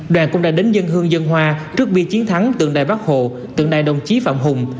đoàn cũng đã đến dân hương dân hoa trước bi chiến thắng tượng đại bắc hồ tượng đại đồng chí phạm hùng